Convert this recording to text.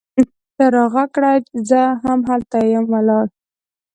ته را ږغ کړه! زه هم هلته یم ولاړه